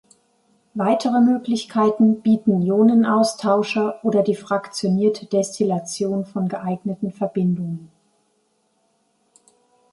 Weitere Möglichkeiten bieten Ionenaustauscher oder die fraktionierte Destillation von geeigneten Verbindungen.